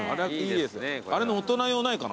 あれの大人用ないかな？